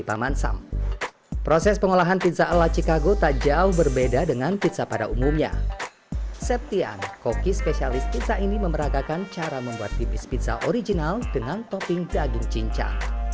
pemilik restoran telah menawarkan ukuran pizza yang tersebut tidak terlalu tebal